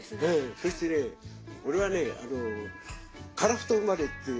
そしてね俺はねあの樺太生まれっていうまあ